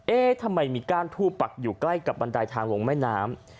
เอ๊ะทำไมมีก้านทูบปักอยู่ใกล้กับบันไดทางลงแม่น้ำ